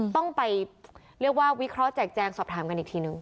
ต้องไปเรียกว่าวิเคราะห์แจกแจงสอบถามกันอีกทีนึง